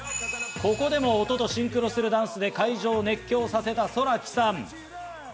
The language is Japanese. ここでも音とシンクロするダンスで会場を熱狂させたＳｏｒａＫｉさん。